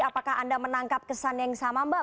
apakah anda menangkap kesan yang sama mbak